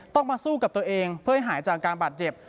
ต้องมาสู้กับตัวเองเพื่อให้หายจากการบาดเจ็บ